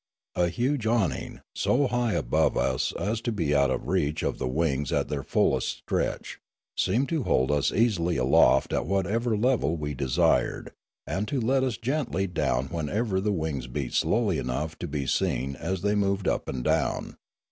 A huge awning, so high above us as to be out of reach of the wings at their fullest stretch, seemed to hold us easily aloft at whatever level we desired, and to let us gently down whenever the wings beat slowly enough to be seen as they moved up and down.